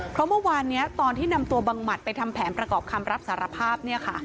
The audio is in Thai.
เพราะเมื่อวานนี้ตอนที่นำตัวบังหมัดไปทำแผนประกอบคำรับสารภาพเนี่ยค่ะ